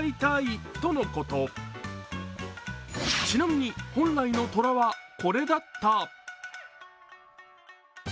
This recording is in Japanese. ちなみに、本来の寅はこれだった。